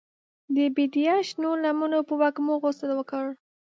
د بیدیا شنو لمنو په وږمو غسل وکړ